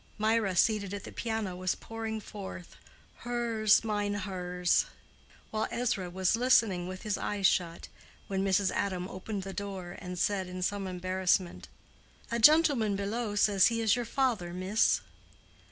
Mirah, seated at the piano, was pouring forth "Herz, mein Herz," while Ezra was listening with his eyes shut, when Mrs. Adam opened the door, and said in some embarrassment, "A gentleman below says he is your father, miss."